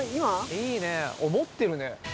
いいね持ってるね。